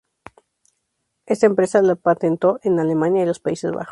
Esta empresa lo patentó en Alemania y los Países Bajos.